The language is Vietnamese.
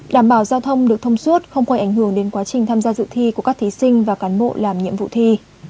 đảm bảo giao thông được thông suốt không quay ảnh hưởng đến quá trình tham gia dự thi của các thí sinh và cán bộ làm nhiệm vụ thi